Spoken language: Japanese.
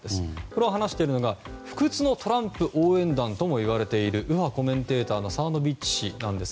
これを話しているのが不屈のトランプ応援団ともいわれている右派コメンテーターのサーノヴィッチ氏。